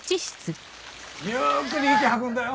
ゆっくり息吐くんだよ。